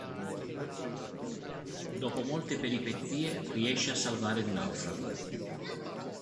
Dopo molte peripezie riesce a salvare il naufrago.